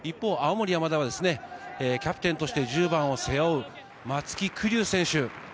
青森山田はキャプテンとして１０番を背負う、松木玖生選手。